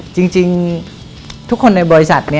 จริงทุกคนในบริษัท